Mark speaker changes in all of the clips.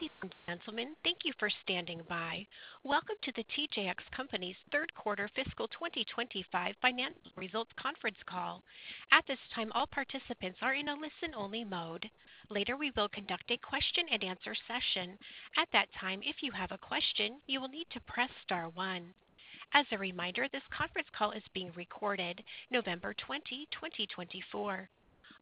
Speaker 1: Ladies and gentlemen, thank you for standing by. Welcome to the TJX Companies' Q3 fiscal 2025 financial results conference call. At this time, all participants are in a listen-only mode. Later, we will conduct a question-and-answer session. At that time, if you have a question, you will need to press star one. As a reminder, this conference call is being recorded, November 20, 2024.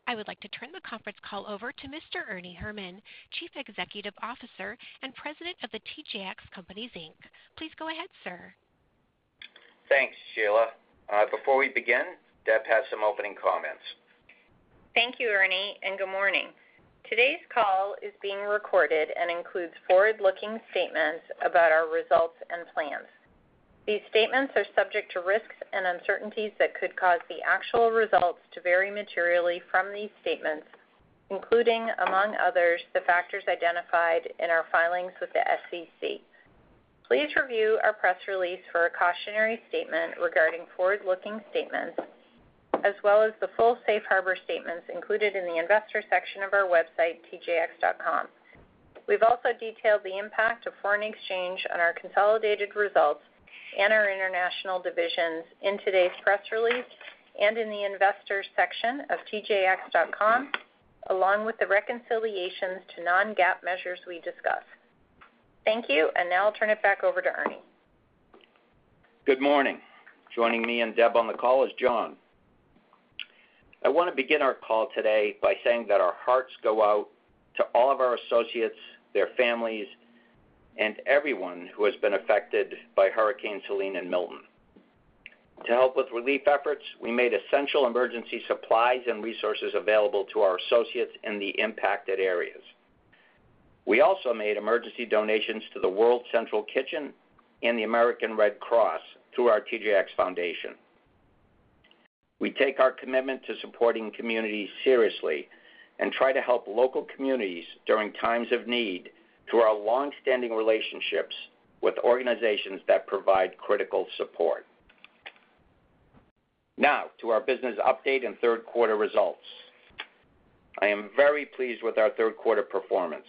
Speaker 1: I would like to turn the conference call over to Mr. Ernie Herrman, Chief Executive Officer and President of the TJX Companies, Inc. Please go ahead, sir.
Speaker 2: Thanks, Sheila. Before we begin, Deb has some opening comments.
Speaker 3: Thank you, Ernie, and good morning. Today's call is being recorded and includes forward-looking statements about our results and plans. These statements are subject to risks and uncertainties that could cause the actual results to vary materially from these statements, including, among others, the factors identified in our filings with the SEC. Please review our press release for a cautionary statement regarding forward-looking statements, as well as the full safe harbor statements included in the investor section of our website, TJX.com. We've also detailed the impact of foreign exchange on our consolidated results and our international divisions in today's press release and in the investor section of TJX.com, along with the reconciliations to Non-GAAP measures we discussed. Thank you, and now I'll turn it back over to Ernie.
Speaker 2: Good morning. Joining me and Deb on the call is John. I want to begin our call today by saying that our hearts go out to all of our associates, their families, and everyone who has been affected by Hurricane Helene and Milton. To help with relief efforts, we made essential emergency supplies and resources available to our associates in the impacted areas. We also made emergency donations to the World Central Kitchen and the American Red Cross through our TJX Foundation. We take our commitment to supporting communities seriously and try to help local communities during times of need through our longstanding relationships with organizations that provide critical support. Now, to our business update and Q3 results. I am very pleased with our Q3 performance.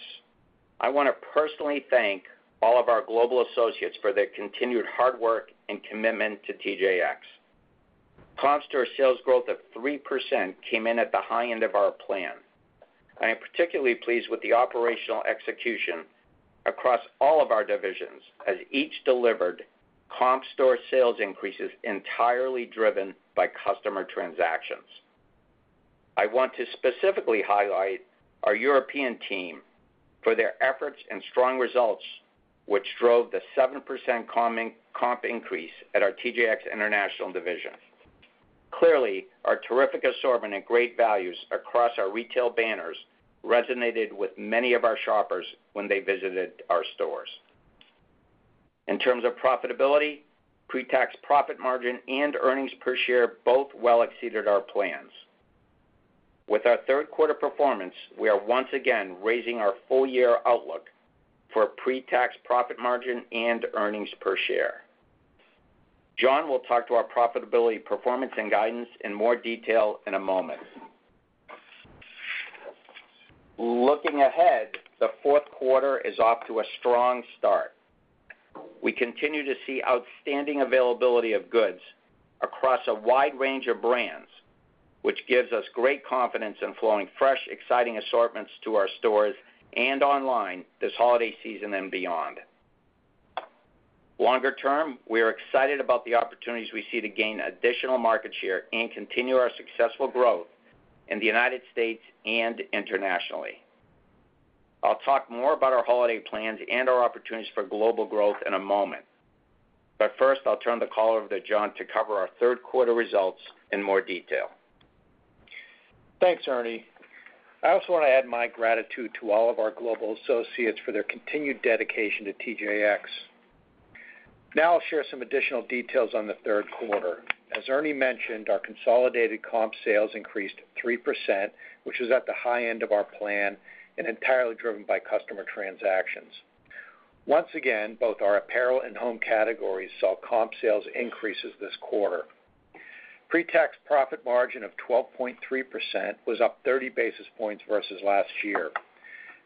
Speaker 2: I want to personally thank all of our global associates for their continued hard work and commitment to TJX. store sales growth of 3% came in at the high end of our plan. I am particularly pleased with the operational execution across all of our divisions as each delivered comp store sales increases entirely driven by customer transactions. I want to specifically highlight our European team for their efforts and strong results, which drove the 7% comp increase at our TJX International division. Clearly, our terrific assortment and great values across our retail banners resonated with many of our shoppers when they visited our stores. In terms of profitability, pre-tax profit margin and earnings per share both well exceeded our plans. With our Q3 performance, we are once again raising our full-year outlook for pre-tax profit margin and earnings per share. John will talk to our profitability performance and guidance in more detail in a moment. Looking ahead, the Q4 is off to a strong start. We continue to see outstanding availability of goods across a wide range of brands, which gives us great confidence in flowing fresh, exciting assortments to our stores and online this holiday season and beyond. Longer term, we are excited about the opportunities we see to gain additional market share and continue our successful growth in the United States and internationally. I'll talk more about our holiday plans and our opportunities for global growth in a moment. But first, I'll turn the call over to John to cover our Q3 results in more detail.
Speaker 4: Thanks, Ernie. I also want to add my gratitude to all of our global associates for their continued dedication to TJX. Now I'll share some additional details on the Q3. As Ernie mentioned, our consolidated comp sales increased 3%, which was at the high end of our plan and entirely driven by customer transactions. Once again, both our apparel and home categories saw comp sales increases this quarter. Pre-tax profit margin of 12.3% was up 30 basis points versus last year.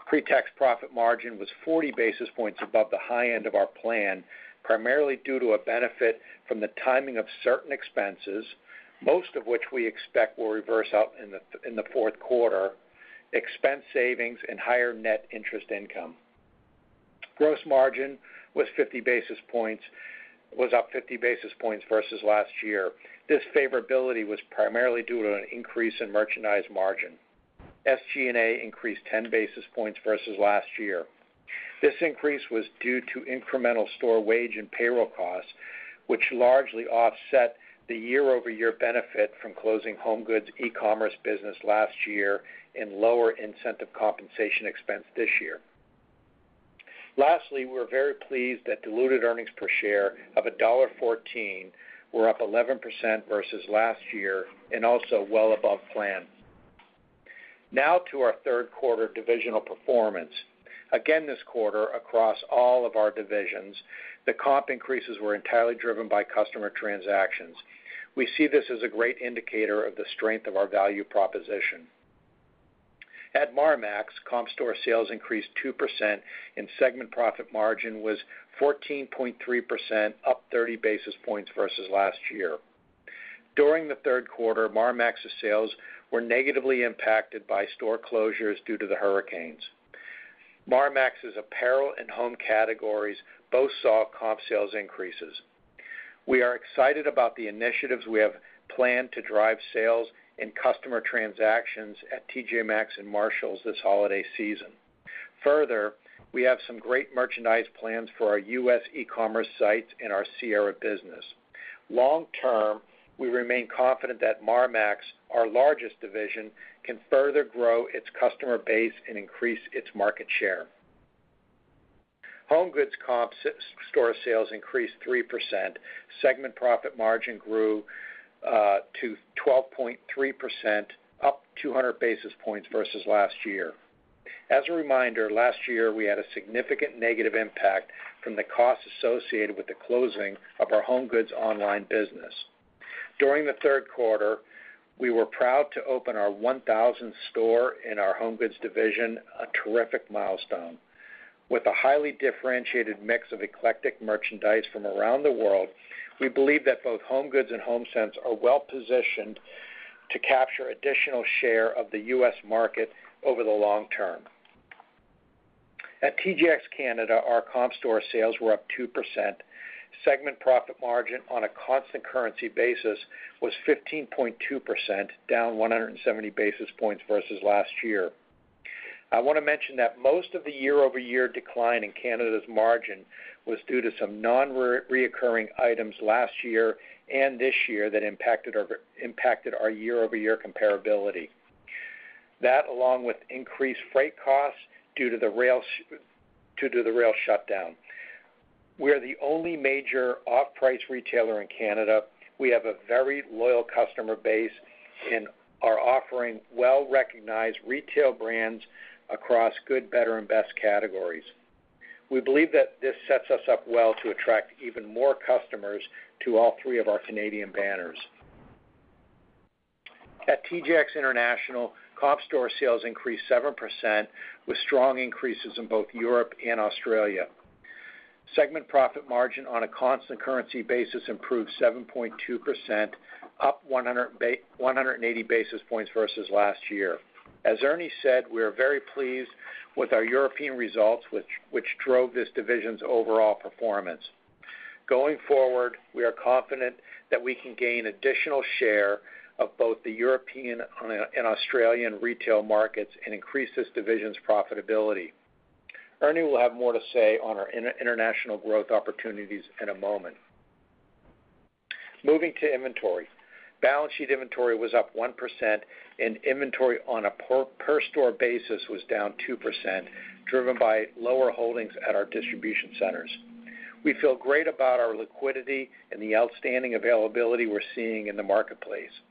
Speaker 4: Pre-tax profit margin was 40 basis points above the high end of our plan, primarily due to a benefit from the timing of certain expenses, most of which we expect will reverse out in the Q4: expense savings and higher net interest income. Gross margin was up 50 basis points versus last year. This favorability was primarily due to an increase in merchandise margin. SG&A increased 10 basis points versus last year. This increase was due to incremental store wage and payroll costs, which largely offset the year-over-year benefit from closing HomeGoods e-commerce business last year and lower incentive compensation expense this year. Lastly, we're very pleased that diluted earnings per share of $1.14 were up 11% versus last year and also well above plan. Now to our Q3 divisional performance. Again, this quarter, across all of our divisions, the comp increases were entirely driven by customer transactions. We see this as a great indicator of the strength of our value proposition. At Marmaxx, comp store sales increased 2% and segment profit margin was 14.3%, up 30 basis points versus last year. During the Q3, Marmaxx's sales were negatively impacted by store closures due to the hurricanes. Marmaxx's apparel and home categories both saw comp sales increases. We are excited about the initiatives we have planned to drive sales and customer transactions at TK Maxx and Marshalls this holiday season. Further, we have some great merchandise plans for our U.S. e-commerce sites and our Sierra business. Long-term, we remain confident that Marmaxx, our largest division, can further grow its customer base and increase its market share. HomeGoods comp store sales increased 3%. Segment profit margin grew to 12.3%, up 200 basis points versus last year. As a reminder, last year we had a significant negative impact from the costs associated with the closing of our HomeGoods online business. During the Q3, we were proud to open our 1,000th store in our HomeGoods division, a terrific milestone. With a highly differentiated mix of eclectic merchandise from around the world, we believe that both HomeGoods and HomeSense are well positioned to capture additional share of the U.S. market over the long term. At TJX Canada, our comp store sales were up 2%. Segment profit margin on a constant currency basis was 15.2%, down 170 basis points versus last year. I want to mention that most of the year-over-year decline in Canada's margin was due to some non-recurring items last year and this year that impacted our year-over-year comparability. That, along with increased freight costs due to the rail shutdown. We are the only major off-price retailer in Canada. We have a very loyal customer base and are offering well-recognized retail brands across good, better, and best categories. We believe that this sets us up well to attract even more customers to all three of our Canadian banners. At TJX International, comp store sales increased 7% with strong increases in both Europe and Australia. Segment profit margin on a constant currency basis improved 7.2%, up 180 basis points versus last year. As Ernie said, we are very pleased with our European results, which drove this division's overall performance. Going forward, we are confident that we can gain additional share of both the European and Australian retail markets and increase this division's profitability. Ernie will have more to say on our international growth opportunities in a moment. Moving to inventory. Balance sheet inventory was up 1%, and inventory on a per-store basis was down 2%, driven by lower holdings at our distribution centers. We feel great about our liquidity and the outstanding availability we're seeing in the marketplace. We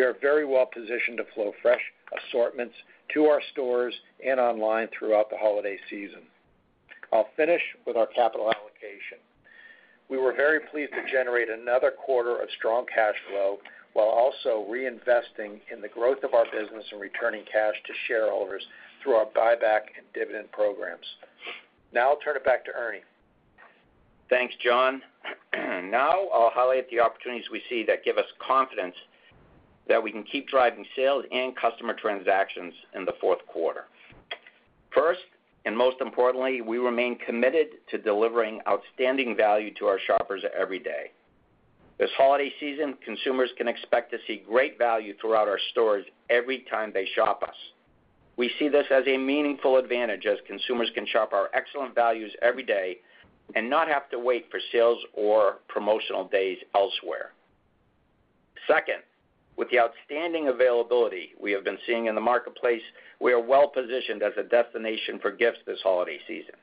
Speaker 4: are very well positioned to flow fresh assortments to our stores and online throughout the holiday season. I'll finish with our capital allocation. We were very pleased to generate another quarter of strong cash flow while also reinvesting in the growth of our business and returning cash to shareholders through our buyback and dividend programs. Now I'll turn it back to Ernie.
Speaker 2: Thanks, John. Now I'll highlight the opportunities we see that give us confidence that we can keep driving sales and customer transactions in the Q4. First, and most importantly, we remain committed to delivering outstanding value to our shoppers every day. This holiday season, consumers can expect to see great value throughout our stores every time they shop us. We see this as a meaningful advantage as consumers can shop our excellent values every day and not have to wait for sales or promotional days elsewhere. Second, with the outstanding availability we have been seeing in the marketplace, we are well positioned as a destination for gifts this holiday season.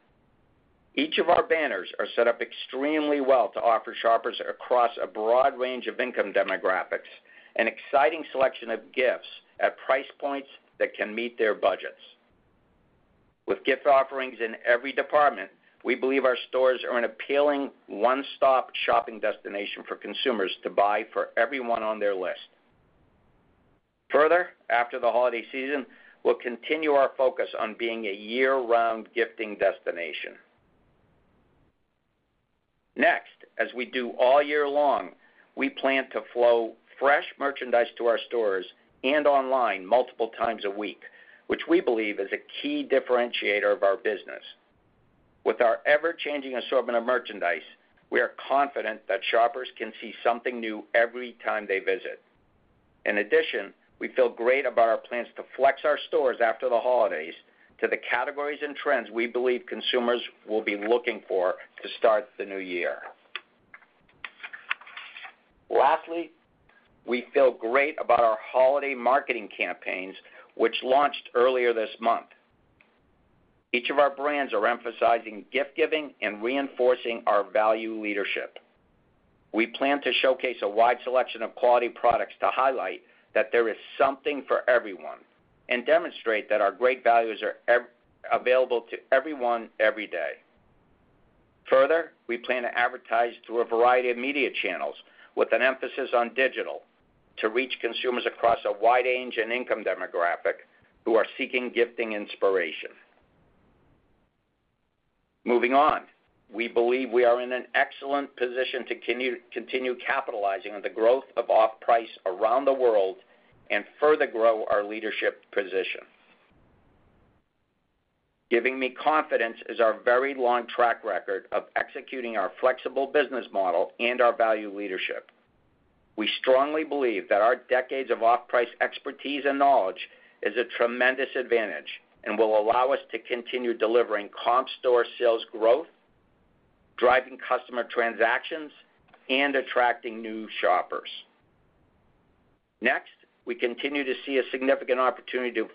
Speaker 2: Each of our banners are set up extremely well to offer shoppers across a broad range of income demographics an exciting selection of gifts at price points that can meet their budgets. With gift offerings in every department, we believe our stores are an appealing one-stop shopping destination for consumers to buy for everyone on their list. Further, after the holiday season, we'll continue our focus on being a year-round gifting destination. Next, as we do all year long, we plan to flow fresh merchandise to our stores and online multiple times a week, which we believe is a key differentiator of our business. With our ever-changing assortment of merchandise, we are confident that shoppers can see something new every time they visit. In addition, we feel great about our plans to flex our stores after the holidays to the categories and trends we believe consumers will be looking for to start the new year. Lastly, we feel great about our holiday marketing campaigns, which launched earlier this month. Each of our brands are emphasizing gift-giving and reinforcing our value leadership. We plan to showcase a wide selection of quality products to highlight that there is something for everyone and demonstrate that our great values are available to everyone every day. Further, we plan to advertise through a variety of media channels with an emphasis on digital to reach consumers across a wide range of income demographics who are seeking gifting inspiration. Moving on, we believe we are in an excellent position to continue capitalizing on the growth of off-price around the world and further grow our leadership position. Giving me confidence is our very long track record of executing our flexible business model and our value leadership. We strongly believe that our decades of off-price expertise and knowledge is a tremendous advantage and will allow us to continue delivering comp store sales growth, driving customer transactions, and attracting new shoppers. Next, we continue to see a significant opportunity to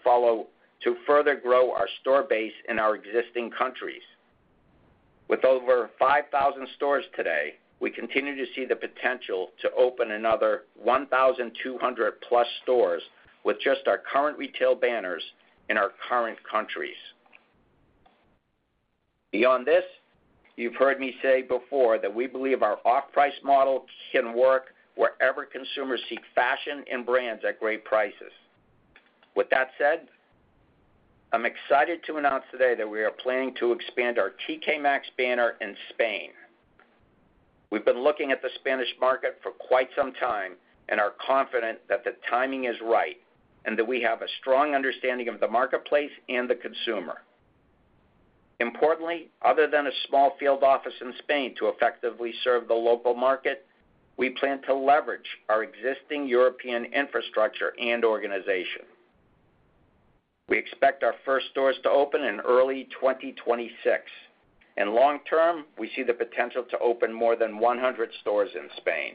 Speaker 2: further grow our store base in our existing countries. With over 5,000 stores today, we continue to see the potential to open another 1,200-plus stores with just our current retail banners in our current countries. Beyond this, you've heard me say before that we believe our off-price model can work wherever consumers seek fashion and brands at great prices. With that said, I'm excited to announce today that we are planning to expand our T.J. Maxx banner in Spain. We've been looking at the Spanish market for quite some time and are confident that the timing is right and that we have a strong understanding of the marketplace and the consumer. Importantly, other than a small field office in Spain to effectively serve the local market, we plan to leverage our existing European infrastructure and organization. We expect our first stores to open in early 2026. And long term, we see the potential to open more than 100 stores in Spain.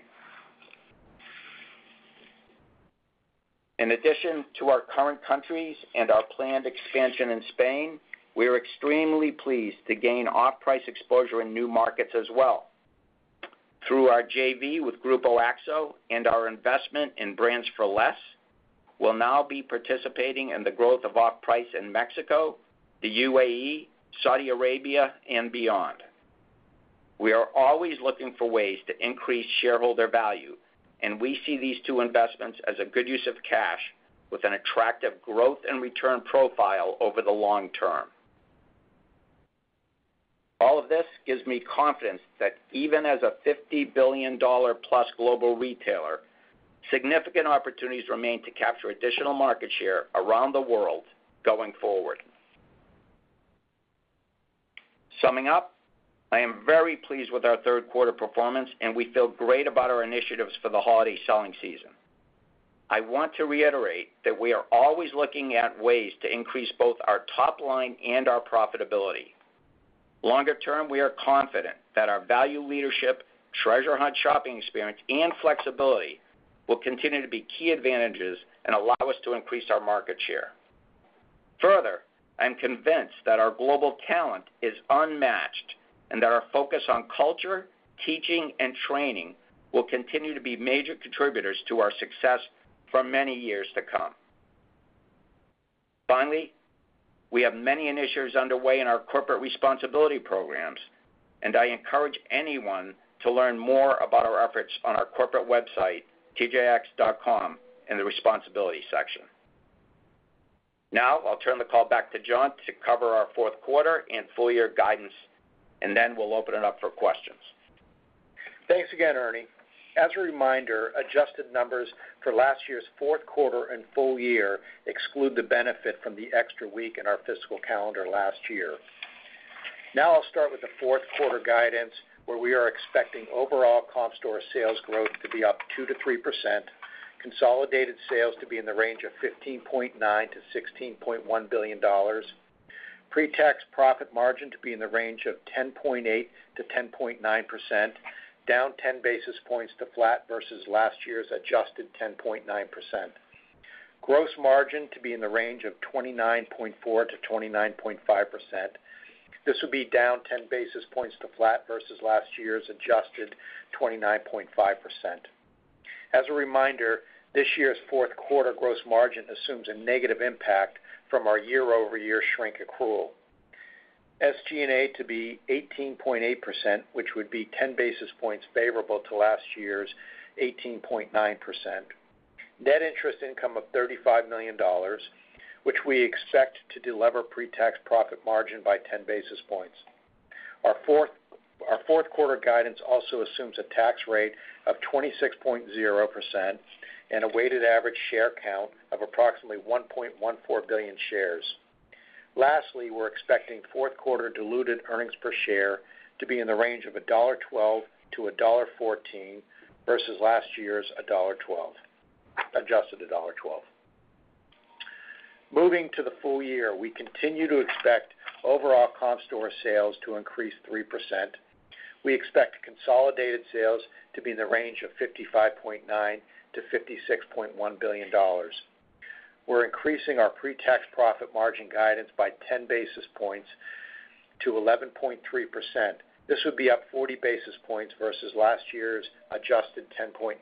Speaker 2: In addition to our current countries and our planned expansion in Spain, we are extremely pleased to gain off-price exposure in new markets as well. Through our JV with Grupo Axo and our investment in Brands for Less, we'll now be participating in the growth of off-price in Mexico, the UAE, Saudi Arabia, and beyond. We are always looking for ways to increase shareholder value, and we see these two investments as a good use of cash with an attractive growth and return profile over the long term. All of this gives me confidence that even as a $50 billion-plus global retailer, significant opportunities remain to capture additional market share around the world going forward. Summing up, I am very pleased with our Q3 performance, and we feel great about our initiatives for the holiday selling season. I want to reiterate that we are always looking at ways to increase both our top line and our profitability. Longer term, we are confident that our value leadership, treasure hunt shopping experience, and flexibility will continue to be key advantages and allow us to increase our market share. Further, I'm convinced that our global talent is unmatched and that our focus on culture, teaching, and training will continue to be major contributors to our success for many years to come. Finally, we have many initiatives underway in our corporate responsibility programs, and I encourage anyone to learn more about our efforts on our corporate website, TJX.com, in the responsibility section. Now I'll turn the call back to John to cover our fourth quarter and full-year guidance, and then we'll open it up for questions.
Speaker 4: Thanks again, Ernie. As a reminder, adjusted numbers for last year's Q4 and full year exclude the benefit from the extra week in our fiscal calendar last year. Now I'll start with the Q4 guidance, where we are expecting overall comp store sales growth to be up 2-3%, consolidated sales to be in the range of $15.9-$16.1 billion, pre-tax profit margin to be in the range of 10.8-10.9%, down 10 basis points to flat versus last year's adjusted 10.9%. Gross margin to be in the range of 29.4-29.5%. This would be down 10 basis points to flat versus last year's adjusted 29.5%. As a reminder, this year's Q4 gross margin assumes a negative impact from our year-over-year shrink accrual. SG&A to be 18.8%, which would be 10 basis points favorable to last year's 18.9%. Net interest income of $35 million, which we expect to deliver pre-tax profit margin by 10 basis points. Our Q4 guidance also assumes a tax rate of 26.0% and a weighted average share count of approximately 1.14 billion shares. Lastly, we're expecting Q4 diluted earnings per share to be in the range of $1.12-$1.14 versus last year's $1.12, adjusted to $1.12. Moving to the full year, we continue to expect overall comp store sales to increase 3%. We expect consolidated sales to be in the range of $55.9-$56.1 billion. We're increasing our pre-tax profit margin guidance by 10 basis points to 11.3%. This would be up 40 basis points versus last year's adjusted 10.9%.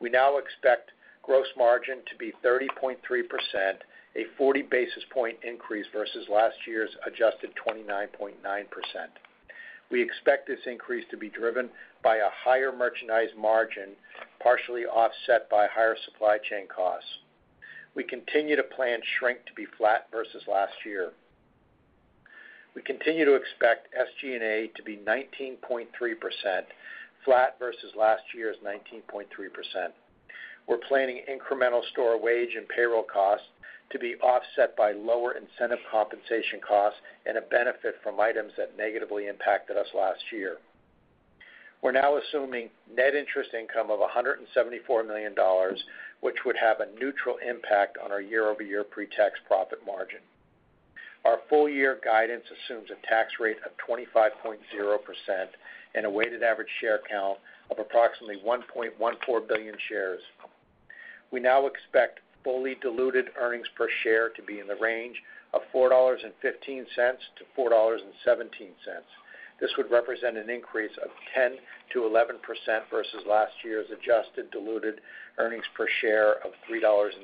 Speaker 4: We now expect gross margin to be 30.3%, a 40 basis point increase versus last year's adjusted 29.9%. We expect this increase to be driven by a higher merchandise margin, partially offset by higher supply chain costs. We continue to plan shrink to be flat versus last year. We continue to expect SG&A to be 19.3%, flat versus last year's 19.3%. We're planning incremental store wage and payroll costs to be offset by lower incentive compensation costs and a benefit from items that negatively impacted us last year. We're now assuming net interest income of $174 million, which would have a neutral impact on our year-over-year pre-tax profit margin. Our full-year guidance assumes a tax rate of 25.0% and a weighted average share count of approximately 1.14 billion shares. We now expect fully diluted earnings per share to be in the range of $4.15-$4.17. This would represent an increase of 10%-11% versus last year's adjusted diluted earnings per share of $3.76.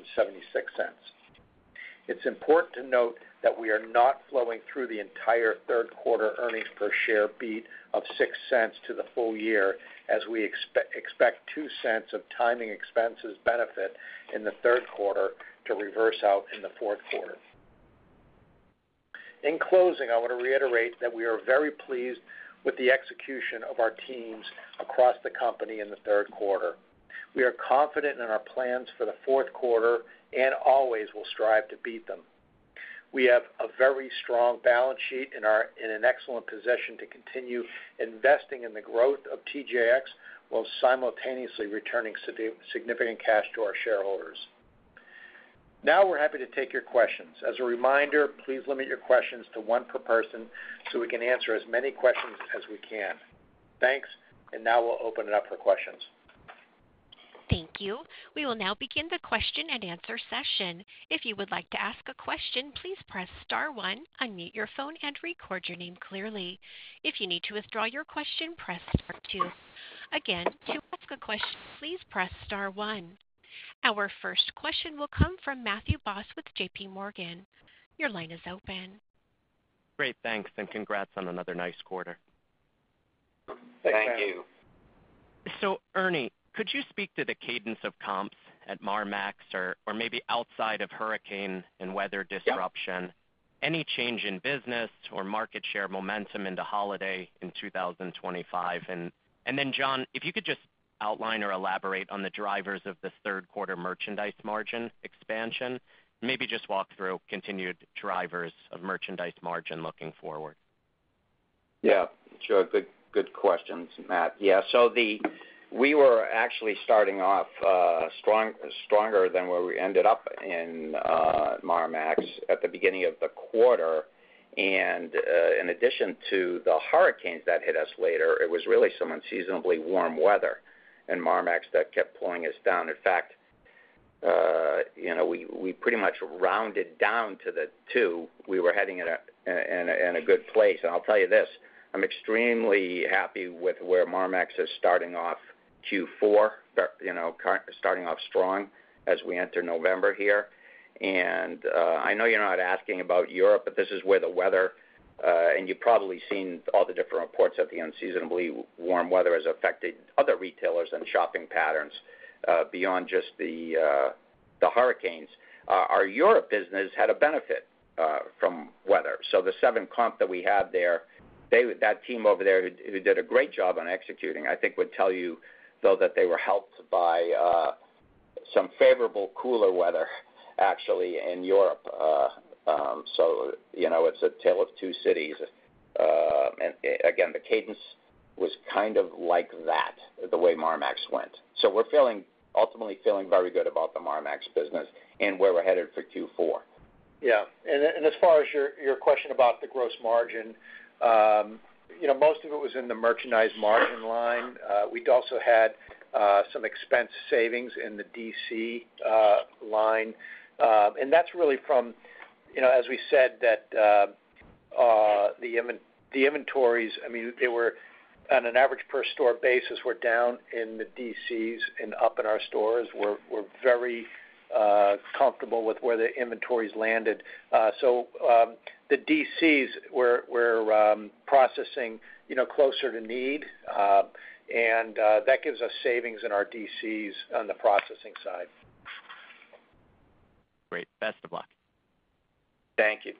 Speaker 4: It's important to note that we are not flowing through the entire Q3 earnings per share beat of $0.06 to the full year as we expect $0.02 of timing expenses benefit in the Q3 to reverse out in the Q4. In closing, I want to reiterate that we are very pleased with the execution of our teams across the company in the Q3. We are confident in our plans for the Q4 and always will strive to beat them. We have a very strong balance sheet and are in an excellent position to continue investing in the growth of TJX while simultaneously returning significant cash to our shareholders. Now we're happy to take your questions. As a reminder, please limit your questions to one per person so we can answer as many questions as we can. Thanks, and now we'll open it up for questions.
Speaker 1: Thank you. We will now begin the question and answer session. If you would like to ask a question, please press star one, unmute your phone, and record your name clearly. If you need to withdraw your question, press star two. Again, to ask a question, please press star one. Our first question will come from Matthew Boss with JPMorgan. Your line is open.
Speaker 5: Great. Thanks, and congrats on another nice quarter.
Speaker 2: Thank you.
Speaker 5: So Ernie, could you speak to the cadence of comps at Marmaxx or maybe outside of hurricane and weather disruption? Any change in business or market share momentum into holiday in 2025? And then John, if you could just outline or elaborate on the drivers of this Q3 merchandise margin expansion, maybe just walk through continued drivers of merchandise margin looking forward.
Speaker 2: Yeah, sure. Good questions, Matt. Yeah, so we were actually starting off stronger than where we ended up in Marmaxx at the beginning of the quarter. In addition to the hurricanes that hit us later, it was really some unseasonably warm weather in Marmaxx that kept pulling us down. In fact, we pretty much rounded down to the two. We were heading in a good place. I'll tell you this. I'm extremely happy with where Marmaxx is starting off Q4, starting off strong as we enter November here. I know you're not asking about Europe, but this is where the weather, and you've probably seen all the different reports that the unseasonably warm weather has affected other retailers and shopping patterns beyond just the hurricanes, our Europe business had a benefit from weather. So the seven comp that we had there, that team over there who did a great job on executing, I think would tell you, though, that they were helped by some favorable cooler weather, actually, in Europe. So it's a tale of two cities. And again, the cadence was kind of like that, the way Marmaxx went. So we're ultimately feeling very good about the Marmaxx business and where we're headed for Q4.
Speaker 4: Yeah. And as far as your question about the gross margin, most of it was in the merchandise margin line. We also had some expense savings in the DC line. And that's really from, as we said, that the inventories, I mean, they were, on an average per store basis, were down in the DCs and up in our stores. We're very comfortable with where the inventories landed. So the DCs were processing closer to need, and that gives us savings in our DCs on the processing side.
Speaker 5: Great. Best of luck.
Speaker 2: Thank you.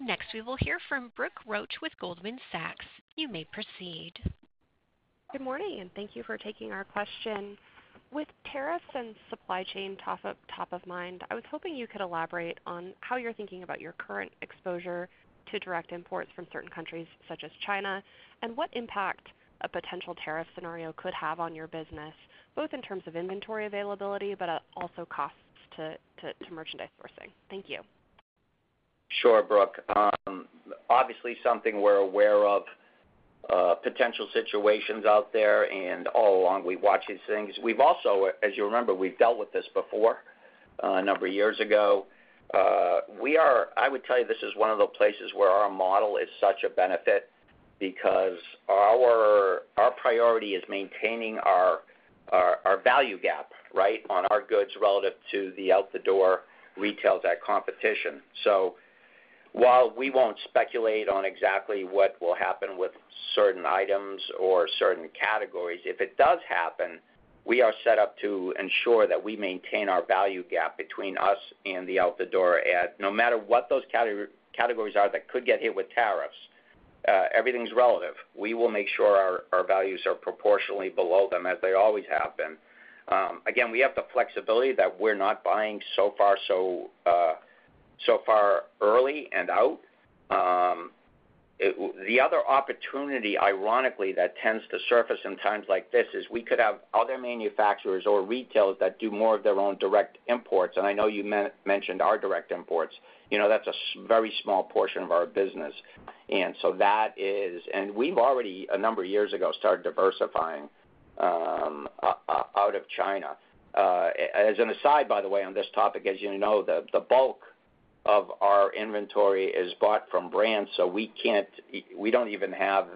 Speaker 1: Next, we will hear from Brooke Roach with Goldman Sachs. You may proceed.
Speaker 6: Good morning, and thank you for taking our question. With tariffs and supply chain top of mind, I was hoping you could elaborate on how you're thinking about your current exposure to direct imports from certain countries such as China and what impact a potential tariff scenario could have on your business, both in terms of inventory availability but also costs to merchandise sourcing. Thank you.
Speaker 2: Sure, Brooke. Obviously, something we're aware of, potential situations out there, and all along we've watched these things. We've also, as you remember, we've dealt with this before a number of years ago. I would tell you this is one of those places where our model is such a benefit because our priority is maintaining our value gap, right, on our goods relative to the out-the-door retailers at competition, so while we won't speculate on exactly what will happen with certain items or certain categories, if it does happen, we are set up to ensure that we maintain our value gap between us and the out-the-door ad, no matter what those categories are that could get hit with tariffs. Everything's relative. We will make sure our values are proportionally below them, as they always have been. Again, we have the flexibility that we're not buying so far early and out. The other opportunity, ironically, that tends to surface in times like this is we could have other manufacturers or retailers that do more of their own direct imports. And I know you mentioned our direct imports. That's a very small portion of our business. And so that is, and we've already, a number of years ago, started diversifying out of China. As an aside, by the way, on this topic, as you know, the bulk of our inventory is bought from brands, so we don't even have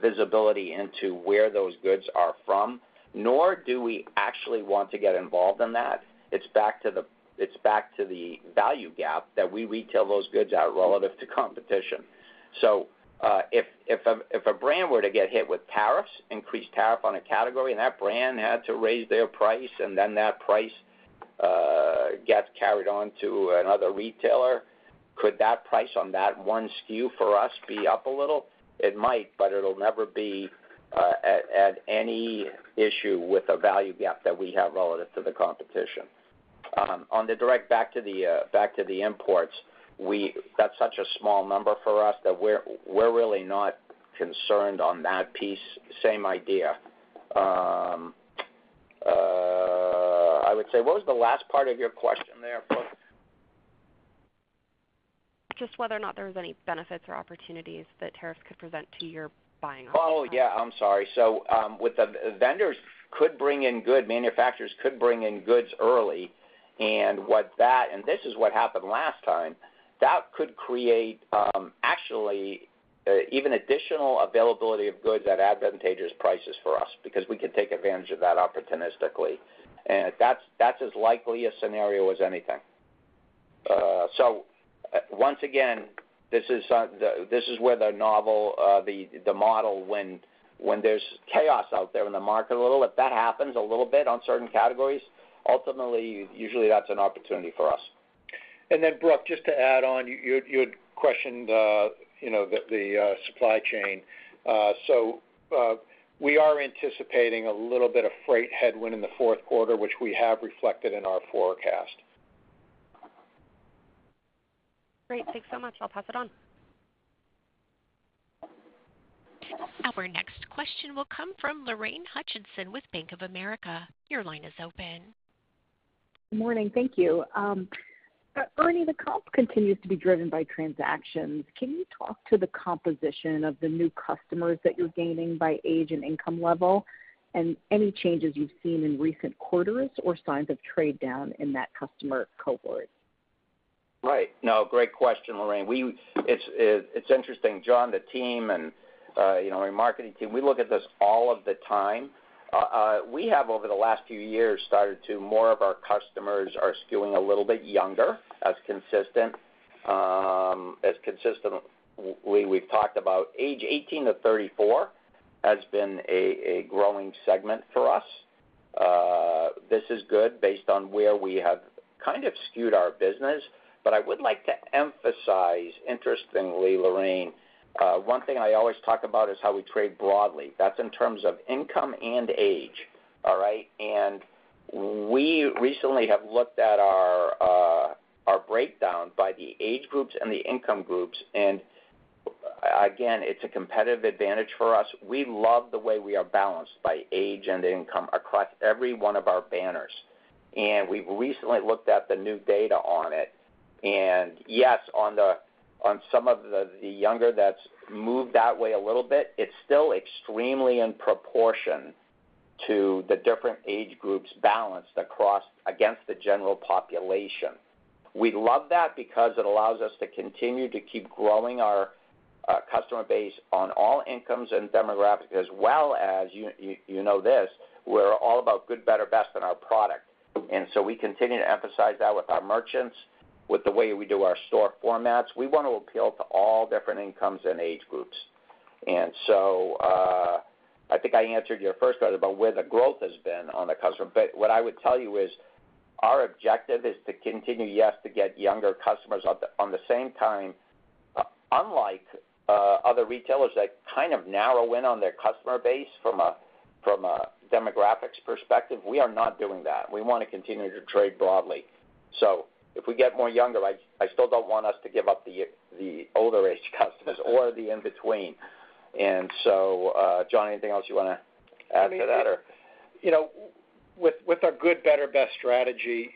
Speaker 2: visibility into where those goods are from, nor do we actually want to get involved in that. It's back to the value gap that we retail those goods at relative to competition. So if a brand were to get hit with tariffs, increased tariff on a category, and that brand had to raise their price, and then that price gets carried on to another retailer, could that price on that one SKU for us be up a little? It might, but it'll never be at any issue with a value gap that we have relative to the competition. On the direct back to the imports, that's such a small number for us that we're really not concerned on that piece. Same idea. I would say, what was the last part of your question there, Brooke?
Speaker 6: Just whether or not there were any benefits or opportunities that tariffs could present to your buying opportunity?
Speaker 2: Oh, yeah. I'm sorry. So with the vendors could bring in goods, manufacturers could bring in goods early. And this is what happened last time. That could create actually even additional availability of goods at advantageous prices for us because we can take advantage of that opportunistically. And that's as likely a scenario as anything. So once again, this is where the novel, the model, when there's chaos out there in the market, a little if that happens a little bit on certain categories, ultimately, usually that's an opportunity for us.
Speaker 4: Then, Brooke, just to add on, you had questioned the supply chain. We are anticipating a little bit of freight headwind in the Q4, which we have reflected in our forecast.
Speaker 6: Great. Thanks so much. I'll pass it on.
Speaker 1: Our next question will come from Lorraine Hutchinson with Bank of America. Your line is open.
Speaker 7: Good morning. Thank you. Ernie, the comp continues to be driven by transactions. Can you talk to the composition of the new customers that you're gaining by age and income level and any changes you've seen in recent quarters or signs of trade down in that customer cohort?
Speaker 2: Right. No, great question, Lorraine. It's interesting. John, the team and our marketing team, we look at this all of the time. We have, over the last few years, started to more of our customers are skewing a little bit younger, as consistently. We've talked about age 18 to 34 has been a growing segment for us. This is good based on where we have kind of skewed our business. But I would like to emphasize, interestingly, Lorraine, one thing I always talk about is how we trade broadly. That's in terms of income and age, all right? And we recently have looked at our breakdown by the age groups and the income groups. And again, it's a competitive advantage for us. We love the way we are balanced by age and income across every one of our banners. And we've recently looked at the new data on it. Yes, on some of the younger that's moved that way a little bit. It's still extremely in proportion to the different age groups balanced against the general population. We love that because it allows us to continue to keep growing our customer base on all incomes and demographics, as well as, you know this, we're all about good, better, best in our product. So we continue to emphasize that with our merchants, with the way we do our store formats. We want to appeal to all different incomes and age groups. So I think I answered your first question about where the growth has been on the customer. But what I would tell you is our objective is to continue, yes, to get younger customers. At the same time, unlike other retailers that kind of narrow in on their customer base from a demographics perspective, we are not doing that. We want to continue to trade broadly. So if we get more younger, I still don't want us to give up the older-age customers or the in-between. And so, John, anything else you want to add to that?
Speaker 4: I mean, with our good, better, best strategy,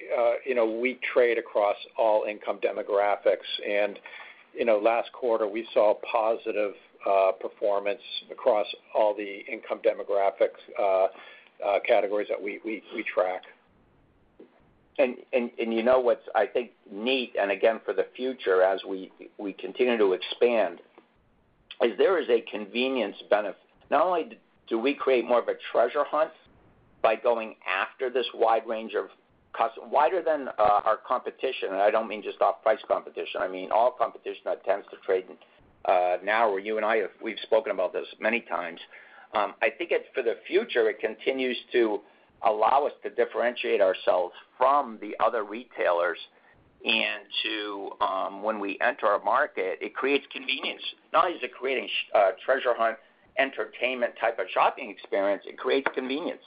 Speaker 4: we trade across all income demographics, and last quarter, we saw positive performance across all the income demographics categories that we track.
Speaker 2: And you know what's, I think, neat, and again, for the future as we continue to expand, is there is a convenience benefit. Not only do we create more of a treasure hunt by going after this wide range of customers wider than our competition, and I don't mean just off-price competition. I mean all competition that tends to trade now, or you and I, we've spoken about this many times. I think for the future, it continues to allow us to differentiate ourselves from the other retailers. And when we enter our market, it creates convenience. Not only is it creating a treasure hunt entertainment type of shopping experience, it creates convenience.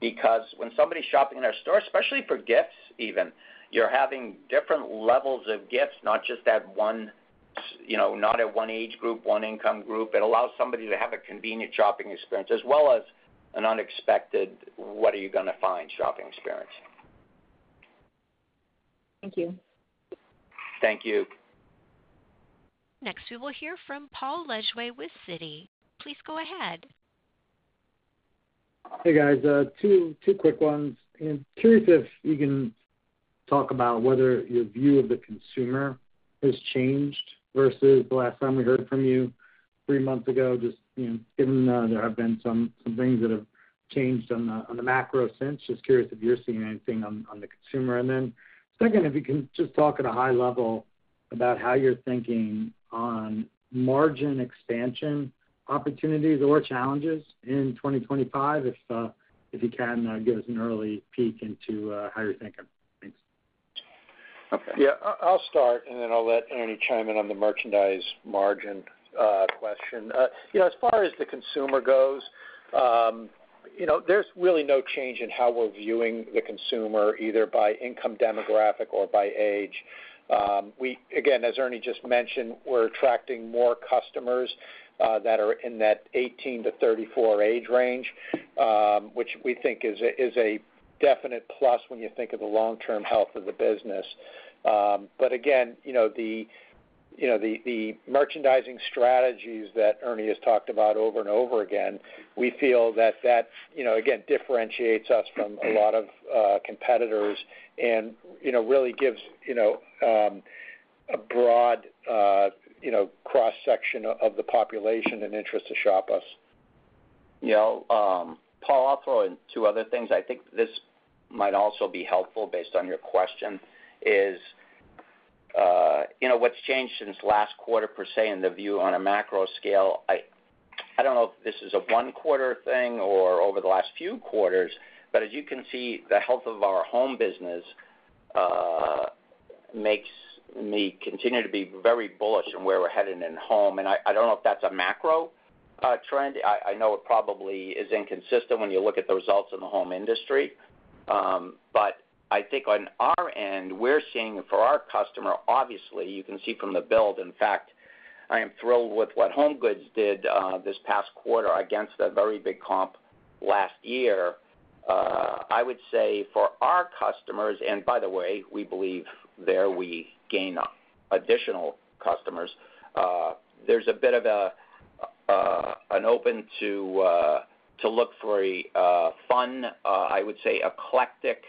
Speaker 2: Because when somebody's shopping in our store, especially for gifts even, you're having different levels of gifts, not just at one age group, one income group. It allows somebody to have a convenient shopping experience as well as an unexpected, "What are you going to find?" shopping experience.
Speaker 7: Thank you.
Speaker 2: Thank you.
Speaker 1: Next, we will hear from Paul Lejuez with Citi. Please go ahead.
Speaker 8: Hey, guys. Two quick ones. Curious if you can talk about whether your view of the consumer has changed versus the last time we heard from you three months ago. Just given there have been some things that have changed on the macro sense, just curious if you're seeing anything on the consumer. And then second, if you can just talk at a high level about how you're thinking on margin expansion opportunities or challenges in 2025, if you can give us an early peek into how you're thinking. Thanks.
Speaker 4: Yeah. I'll start, and then I'll let Ernie chime in on the merchandise margin question. As far as the consumer goes, there's really no change in how we're viewing the consumer, either by income demographic or by age. Again, as Ernie just mentioned, we're attracting more customers that are in that 18 to 34 age range, which we think is a definite plus when you think of the long-term health of the business. But again, the merchandising strategies that Ernie has talked about over and over again, we feel that that, again, differentiates us from a lot of competitors and really gives a broad cross-section of the population an interest to shop us.
Speaker 2: Paul, I'll throw in two other things. I think this might also be helpful based on your question: what's changed since last quarter, per se, in the view on a macro scale. I don't know if this is a Q1 thing or over the last few quarters, but as you can see, the health of our home business makes me continue to be very bullish on where we're headed in home, and I don't know if that's a macro trend. I know it probably is inconsistent when you look at the results in the home industry, but I think on our end, we're seeing for our customer, obviously, you can see from the build. In fact, I am thrilled with what HomeGoods did this past quarter against that very big comp last year. I would say for our customers, and by the way, we believe that we gain additional customers. There's a bit of an opportunity to look for a fun, I would say, eclectic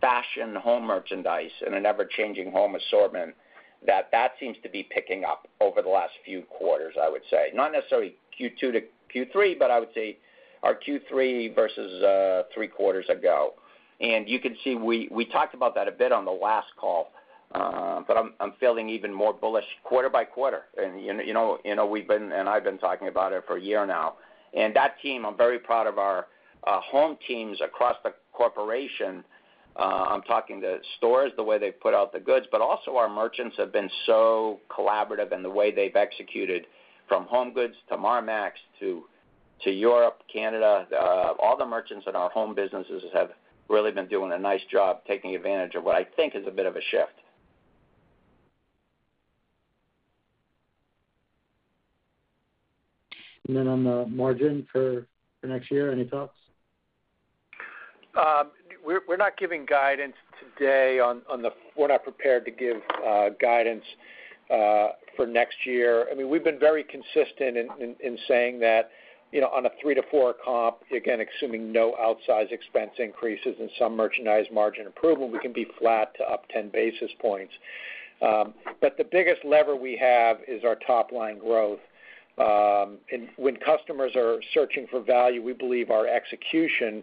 Speaker 2: fashion home merchandise and an ever-changing home assortment that seems to be picking up over the last few quarters, I would say. Not necessarily Q2 to Q3, but I would say our Q3 versus Q3 ago. You can see we talked about that a bit on the last call, but I'm feeling even more bullish quarter by quarter. We've been talking about it for a year now. That team, I'm very proud of our home teams across the corporation. I'm talking the stores, the way they've put out the goods, but also our merchants have been so collaborative in the way they've executed from HomeGoods to Marmaxx to Europe, Canada. All the merchants in our home businesses have really been doing a nice job taking advantage of what I think is a bit of a shift.
Speaker 8: On the margin for next year, any thoughts?
Speaker 4: We're not giving guidance today. We're not prepared to give guidance for next year. I mean, we've been very consistent in saying that on a three to four comp, again, assuming no outsized expense increases and some merchandise margin improvement, we can be flat to up 10 basis points. But the biggest lever we have is our top-line growth. And when customers are searching for value, we believe our execution in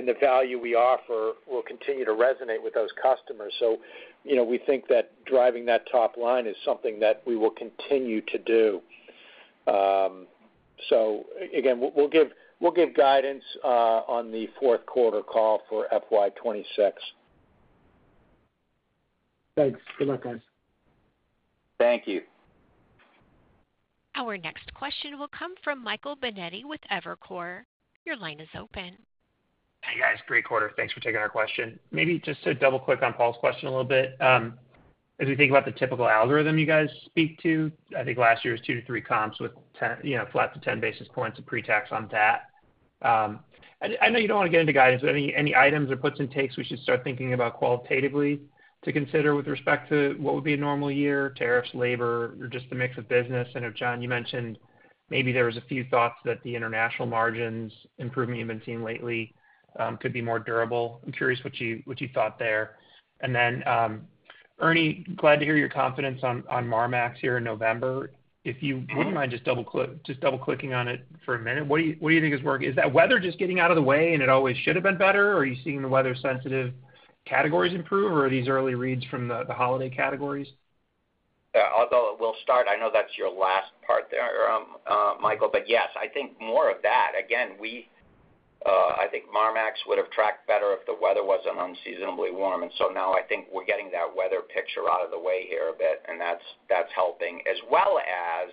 Speaker 4: the value we offer will continue to resonate with those customers. So we think that driving that top line is something that we will continue to do. So again, we'll give guidance on the Q4 call for FY26.
Speaker 8: Thanks. Good luck, guys.
Speaker 2: Thank you.
Speaker 1: Our next question will come from Michael Binetti with Evercore ISI. Your line is open.
Speaker 9: Hey, guys. Great quarter. Thanks for taking our question. Maybe just to double-click on Paul's question a little bit. As we think about the typical algorithm you guys speak to, I think last year was two to three comps with flat to 10 basis points of pre-tax on that. I know you don't want to get into guidance, but any items or puts and takes we should start thinking about qualitatively to consider with respect to what would be a normal year, tariffs, labor, or just a mix of business? I know, John, you mentioned maybe there was a few thoughts that the international margins improvement you've been seeing lately could be more durable. I'm curious what you thought there. And then, Ernie, glad to hear your confidence on Marmaxx here in November. If you wouldn't mind just double-clicking on it for a minute, what do you think is working? Is that weather just getting out of the way and it always should have been better? Are you seeing the weather-sensitive categories improve, or are these early reads from the holiday categories?
Speaker 2: Yeah. Although we'll start, I know that's your last part there, Michael, but yes, I think more of that. Again, I think Marmaxx would have tracked better if the weather wasn't unseasonably warm. And so now I think we're getting that weather picture out of the way here a bit, and that's helping. As well as,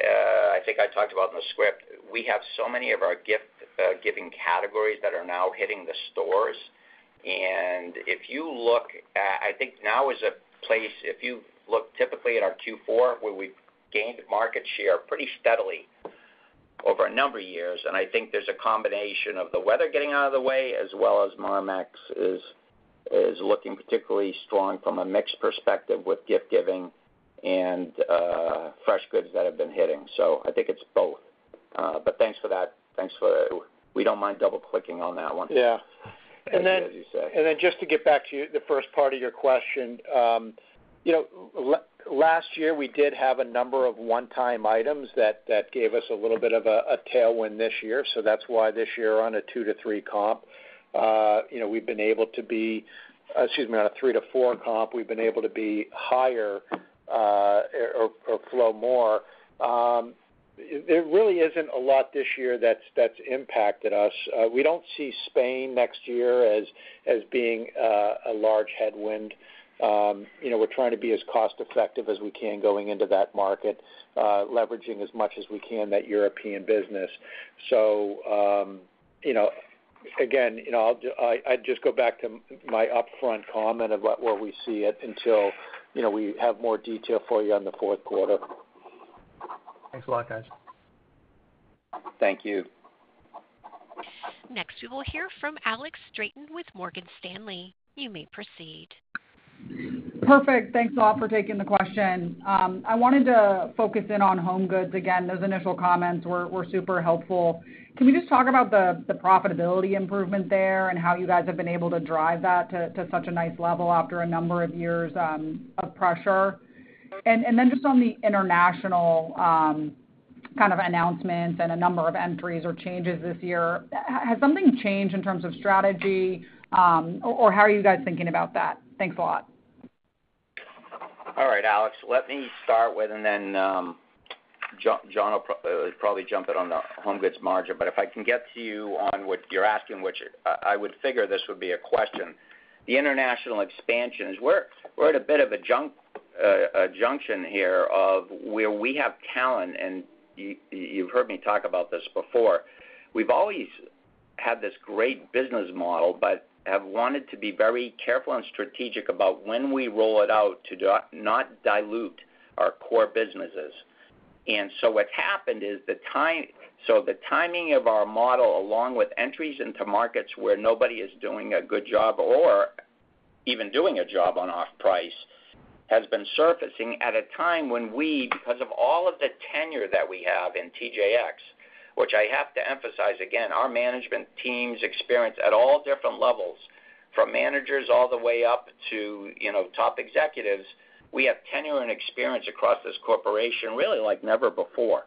Speaker 2: I think I talked about in the script, we have so many of our gift-giving categories that are now hitting the stores. And if you look at, I think now is a place if you look typically at our Q4, where we've gained market share pretty steadily over a number of years. And I think there's a combination of the weather getting out of the way as well as Marmaxx is looking particularly strong from a mixed perspective with gift-giving and fresh goods that have been hitting. So I think it's both. But thanks for that. So we don't mind double-clicking on that one.
Speaker 4: Yeah. And then.
Speaker 2: As you said.
Speaker 4: And then, just to get back to the first part of your question, last year we did have a number of one-time items that gave us a little bit of a tailwind this year. So that's why this year on a two-to-three comp, we've been able to be—excuse me—on a three-to-four comp, we've been able to be higher or flow more. There really isn't a lot this year that's impacted us. We don't see Spain next year as being a large headwind. We're trying to be as cost-effective as we can going into that market, leveraging as much as we can that European business. So again, I'd just go back to my upfront comment of where we see it until we have more detail for you on the Q4.
Speaker 9: Thanks a lot, guys.
Speaker 2: Thank you.
Speaker 1: Next, we will hear from Alex Straton with Morgan Stanley. You may proceed.
Speaker 10: Perfect. Thanks a lot for taking the question. I wanted to focus in on HomeGoods again. Those initial comments were super helpful. Can we just talk about the profitability improvement there and how you guys have been able to drive that to such a nice level after a number of years of pressure? And then just on the international kind of announcements and a number of entries or changes this year, has something changed in terms of strategy, or how are you guys thinking about that? Thanks a lot.
Speaker 2: All right, Alex. Let me start with, and then John will probably jump in on the HomeGoods margin, but if I can get to you on what you're asking, which I would figure this would be a question. The international expansion is, we're at a bit of a junction here of where we have talent, and you've heard me talk about this before. We've always had this great business model, but have wanted to be very careful and strategic about when we roll it out to not dilute our core businesses. What's happened is the timing of our model, along with entries into markets where nobody is doing a good job or even doing a job on off-price, has been surfacing at a time when we, because of all of the tenure that we have in TJX, which I have to emphasize again, our management team's experience at all different levels, from managers all the way up to top executives, have tenure and experience across this corporation really like never before.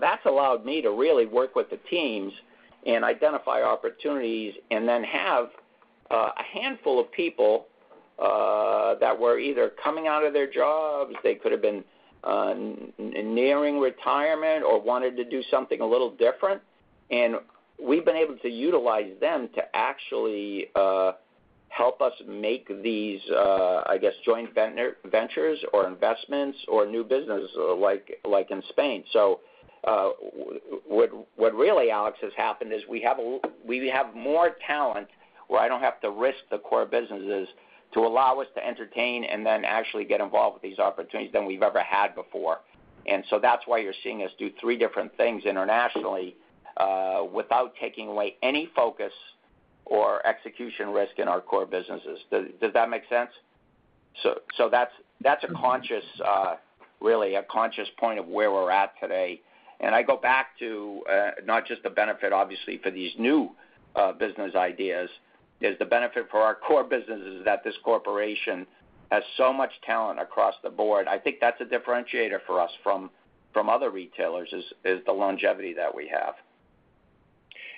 Speaker 2: That's allowed me to really work with the teams and identify opportunities and then have a handful of people that were either coming out of their jobs (they could have been nearing retirement) or wanted to do something a little different. We've been able to utilize them to actually help us make these, I guess, joint ventures or investments or new business like in Spain. So what really, Alex, has happened is we have more talent where I don't have to risk the core businesses to allow us to entertain and then actually get involved with these opportunities than we've ever had before. And so that's why you're seeing us do three different things internationally without taking away any focus or execution risk in our core businesses. Does that make sense? So that's a conscious, really, a conscious point of where we're at today. And I go back to not just the benefit, obviously, for these new business ideas. There's the benefit for our core businesses that this corporation has so much talent across the board. I think that's a differentiator for us from other retailers is the longevity that we have.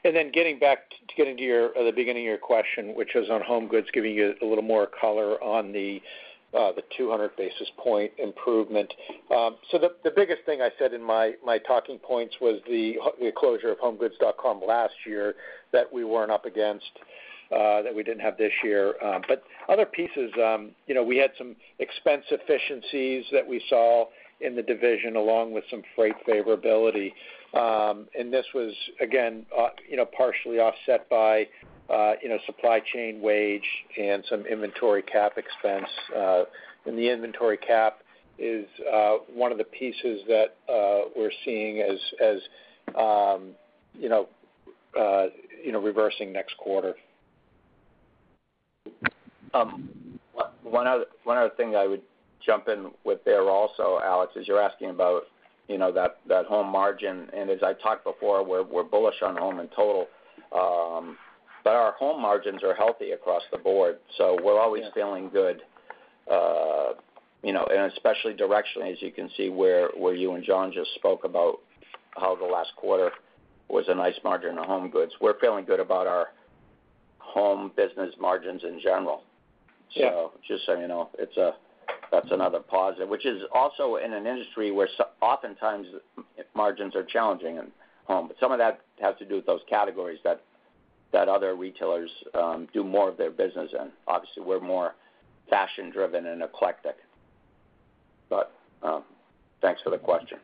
Speaker 4: And then, getting back to the beginning of your question, which was on HomeGoods, giving you a little more color on the 200 basis point improvement. So the biggest thing I said in my talking points was the closure of HomeGoods.com last year that we weren't up against, that we didn't have this year. But other pieces, we had some expense efficiencies that we saw in the division along with some freight favorability. And this was, again, partially offset by supply chain wage and some inventory cap expense. And the inventory cap is one of the pieces that we're seeing as reversing next quarter.
Speaker 2: One other thing I would jump in with there also, Alex, is you're asking about that home margin. And as I talked before, we're bullish on home and total. But our home margins are healthy across the board. So we're always feeling good. And especially directionally, as you can see where you and John just spoke about how the last quarter was a nice margin on HomeGoods, we're feeling good about our home business margins in general. So just so you know, that's another positive, which is also in an industry where oftentimes margins are challenging in home. But some of that has to do with those categories that other retailers do more of their business in. Obviously, we're more fashion-driven and eclectic. But thanks for the question.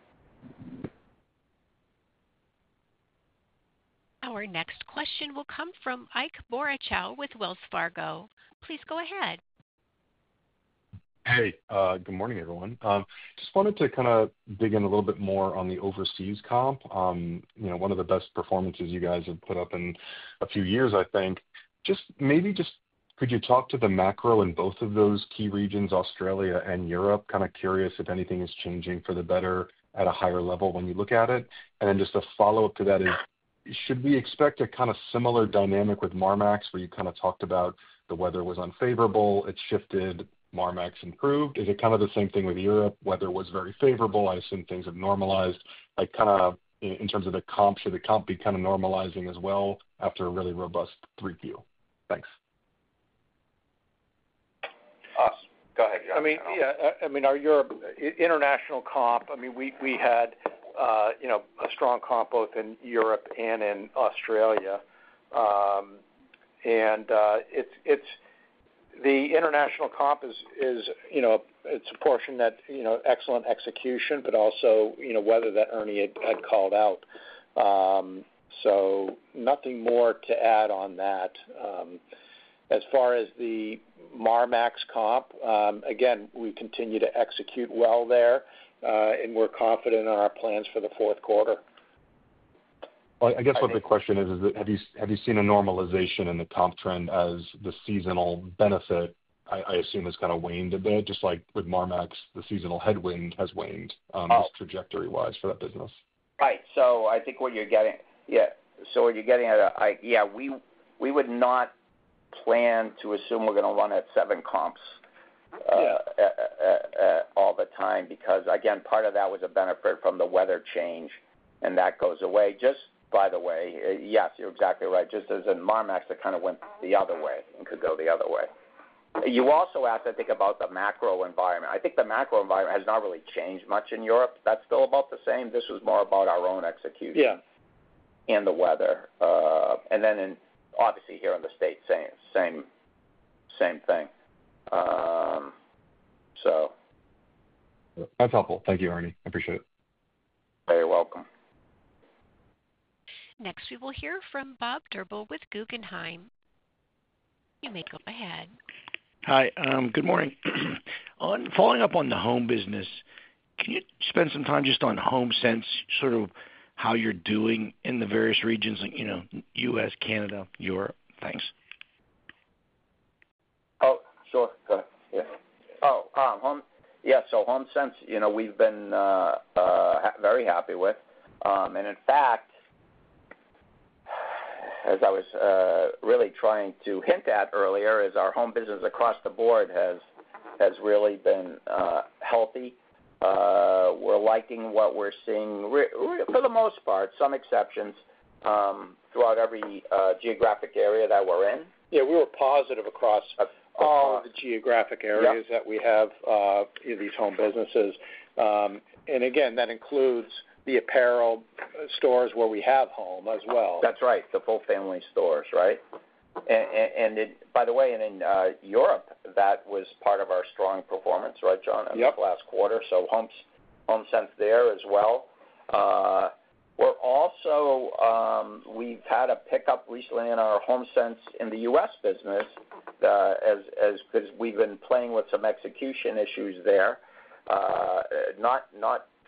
Speaker 1: Our next question will come from Ike Boruchow with Wells Fargo. Please go ahead.
Speaker 11: Hey, good morning, everyone. Just wanted to kind of dig in a little bit more on the overseas comp. One of the best performances you guys have put up in a few years, I think. Just maybe just could you talk to the macro in both of those key regions, Australia and Europe? Kind of curious if anything is changing for the better at a higher level when you look at it, and then just a follow-up to that is, should we expect a kind of similar dynamic with Marmaxx where you kind of talked about the weather was unfavorable, it shifted, Marmaxx improved? Is it kind of the same thing with Europe? Weather was very favorable. I assume things have normalized. Kind of in terms of the comp, should the comp be kind of normalizing as well after a really robust 3Q? Thanks.
Speaker 2: Awesome. Go ahead.
Speaker 4: I mean, yeah. I mean, our European international comp. I mean, we had a strong comp both in Europe and in Australia. And the international comp, it's a portion that excellent execution, but also weather that Ernie had called out. So nothing more to add on that. As far as the Marmaxx comp, again, we continue to execute well there, and we're confident in our plans for the Q4.
Speaker 11: I guess what the question is, is that have you seen a normalization in the comp trend as the seasonal benefit, I assume, has kind of waned a bit, just like with Marmaxx, the seasonal headwind has waned trajectory-wise for that business?
Speaker 2: Right. So I think what you're getting at, yeah, we would not plan to assume we're going to run at seven comps all the time because, again, part of that was a benefit from the weather change, and that goes away. Just by the way, yes, you're exactly right. Just as in Marmaxx, it kind of went the other way and could go the other way. You also have to think about the macro environment. I think the macro environment has not really changed much in Europe. That's still about the same. This was more about our own execution and the weather. And then obviously here in the States, same thing. So.
Speaker 11: That's helpful. Thank you, Ernie. I appreciate it.
Speaker 2: You're welcome.
Speaker 1: Next, we will hear from Bob Drbul with Guggenheim. You may go ahead.
Speaker 12: Hi. Good morning. Following up on the home business, can you spend some time just on HomeSense, sort of how you're doing in the various regions, U.S., Canada, Europe? Thanks.
Speaker 2: Oh, sure. Go ahead. Yeah. Oh, yeah. So, HomeSense, we've been very happy with. And, in fact, as I was really trying to hint at earlier, is our home business across the board has really been healthy. We're liking what we're seeing, for the most part. Some exceptions throughout every geographic area that we're in.
Speaker 4: Yeah. We were positive across all the geographic areas that we have these home businesses, and again, that includes the apparel stores where we have home as well.
Speaker 2: That's right. The full-family stores, right? And by the way, in Europe, that was part of our strong performance, right, John, in this last quarter? So HomeSense there as well. We're also. We've had a pickup recently in our HomeSense in the U.S. business because we've been playing with some execution issues there. Not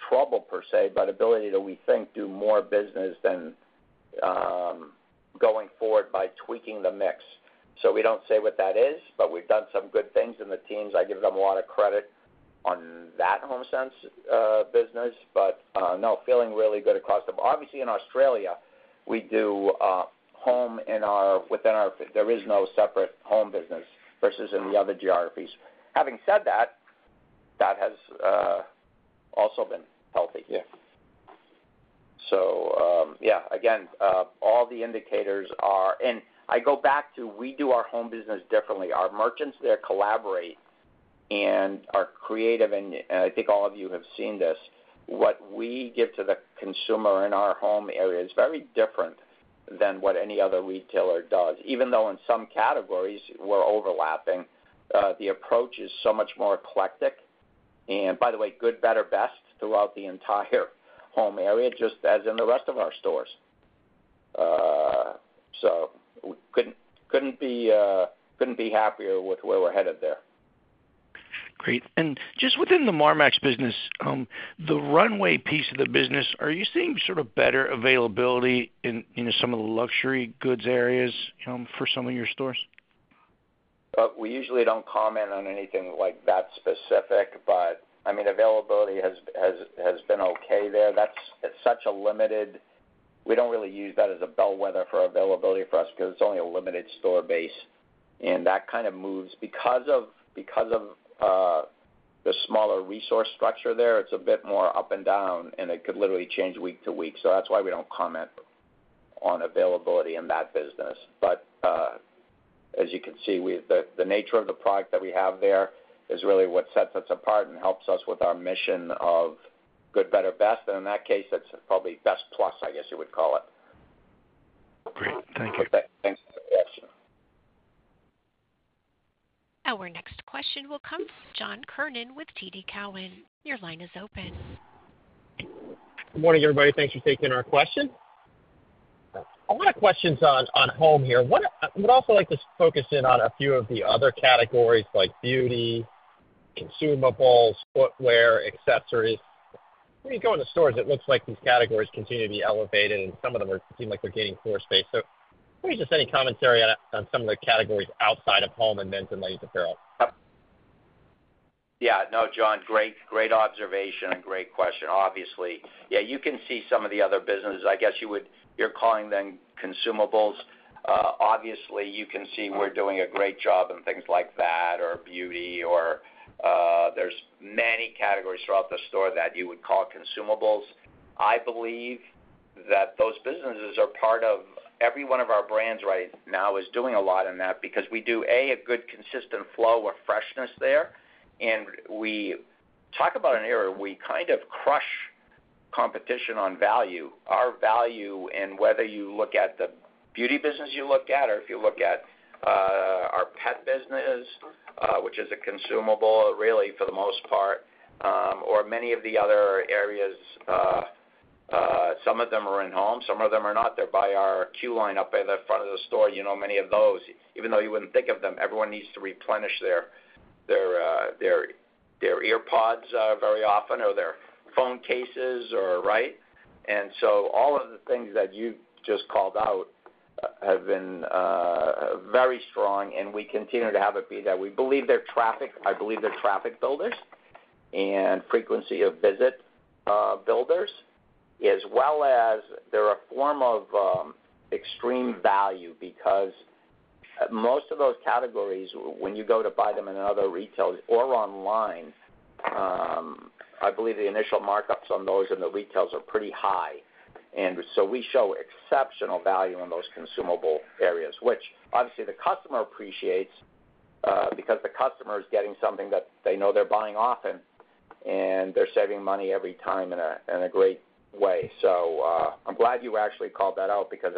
Speaker 2: trouble per se, but ability to, we think, do more business going forward by tweaking the mix. So we don't say what that is, but we've done some good things in the teams. I give them a lot of credit on that HomeSense business. But no, feeling really good across the board. Obviously, in Australia, we do home in ours. There is no separate home business versus in the other geographies. Having said that, that has also been healthy. So, yeah, again, all the indicators are, and I go back to we do our home business differently. Our merchants there collaborate and are creative. And I think all of you have seen this. What we give to the consumer in our home area is very different than what any other retailer does. Even though in some categories we're overlapping, the approach is so much more eclectic. And by the way, good, better, best throughout the entire home area, just as in the rest of our stores. So couldn't be happier with where we're headed there.
Speaker 12: Great. And just within the Marmaxx business, the runway piece of the business, are you seeing sort of better availability in some of the luxury goods areas for some of your stores?
Speaker 2: We usually don't comment on anything like that specific, but I mean, availability has been okay there. That's such a limited we don't really use that as a bellwether for availability for us because it's only a limited store base. That kind of moves because of the smaller resource structure there. It's a bit more up and down, and it could literally change week to week. That's why we don't comment on availability in that business. As you can see, the nature of the product that we have there is really what sets us apart and helps us with our mission of good, better, best. In that case, that's probably best plus, I guess you would call it.
Speaker 12: Great. Thank you.
Speaker 2: Thanks for the question.
Speaker 1: Our next question will come from John Kernan with TD Cowen. Your line is open.
Speaker 4: Good morning, everybody. Thanks for taking our question. A lot of questions on home here. I would also like to focus in on a few of the other categories like beauty, consumables, footwear, accessories. When you go into stores, it looks like these categories continue to be elevated, and some of them seem like they're gaining floor space. So maybe just any commentary on some of the categories outside of home and men's and ladies' apparel?
Speaker 2: Yeah. No, John, great observation and great question. Obviously, yeah, you can see some of the other businesses. I guess what you're calling them consumables. Obviously, you can see we're doing a great job in things like that or beauty. There are many categories throughout the store that you would call consumables. I believe that those businesses are part of every one of our brands right now is doing a lot in that because we do, A, a good consistent flow of freshness there. And we talk about our edge. We kind of crush competition on value. Our value in whether you look at the beauty business or if you look at our pet business, which is a consumable really for the most part, or many of the other areas, some of them are in home, some of them are not. They're by our queue line up by the front of the store. You know many of those. Even though you wouldn't think of them, everyone needs to replenish their EarPods very often or their phone cases, right? And so all of the things that you just called out have been very strong, and we continue to have a beat that we believe they're traffic. I believe they're traffic builders and frequency of visit builders, as well as they're a form of extreme value because most of those categories, when you go to buy them in other retails or online, I believe the initial markups on those in the retails are pretty high. And so we show exceptional value in those consumable areas, which obviously the customer appreciates because the customer is getting something that they know they're buying often, and they're saving money every time in a great way. So I'm glad you actually called that out because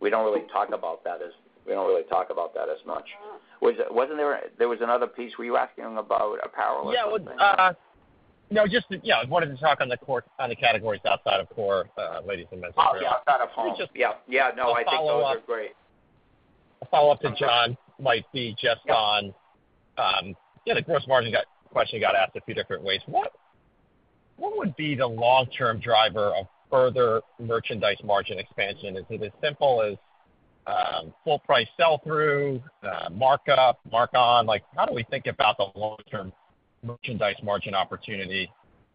Speaker 2: we don't really talk about that as much. Wasn't there another piece? Were you asking about apparel?
Speaker 4: Yeah. No, just yeah, wanted to talk on the categories outside of core ladies' and men's.
Speaker 2: Outside of home. Yeah. Yeah. No, I think those are great.
Speaker 4: A follow-up to John might be just on, yeah, the gross margin question got asked a few different ways. What would be the long-term driver of further merchandise margin expansion? Is it as simple as full-price sell-through, markup, mark on? How do we think about the long-term merchandise margin opportunity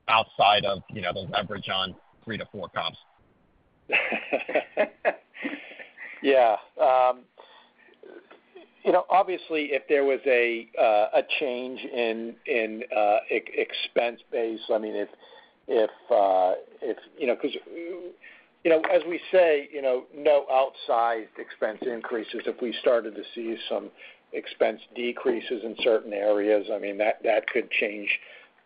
Speaker 4: outside of the leverage on three to four comps?
Speaker 2: Yeah. Obviously, if there was a change in expense base, I mean, if because as we say, no outsized expense increases. If we started to see some expense decreases in certain areas, I mean, that could change